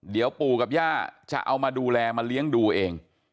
เดี๋ยวปู่กับย่าจะเอามาดูแลมาเลี้ยงดูเอง